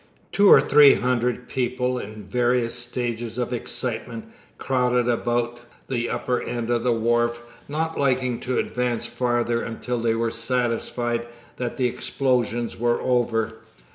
Two or three hundred people, in various stages of excitement, crowded about the upper end of the wharf, not liking to advance farther until they were satisfied that the explosions were over.